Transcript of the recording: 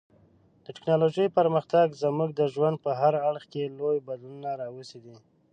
د ټکنالوژۍ پرمختګ زموږ د ژوند په هر اړخ کې لوی بدلونونه راوستي دي.